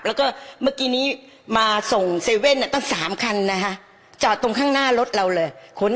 แล้วก็เมื่อกี้นี้มาส่ง๗๑๑ตั้ง๓คันนะคะจอดตรงข้างหน้ารถเราเลย